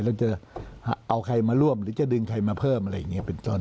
แล้วจะเอาใครมาร่วมหรือจะดึงใครมาเพิ่มอะไรอย่างนี้เป็นต้น